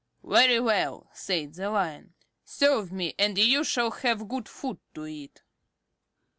"Very well," said the Lion, "serve me, and you shall have good food to eat."